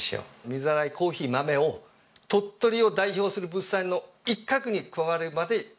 水洗いコーヒー豆を鳥取を代表する物産の一角に加わるまで育てたい。